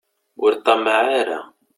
Ur ṭṭamaɛ ara.